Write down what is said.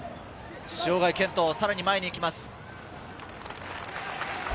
塩貝健人、さらに前に行きます。